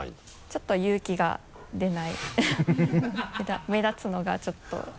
ちょっと勇気が出ない 目立つのがちょっと。